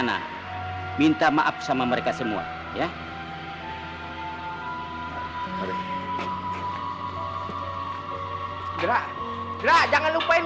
ya pertama pergi